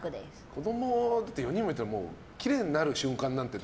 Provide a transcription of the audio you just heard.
子供４人もいたらきれいになる瞬間なんて